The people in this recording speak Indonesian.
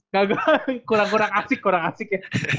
gagal kurang asik kurang asik ya